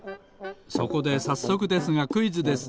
そこでさっそくですがクイズです。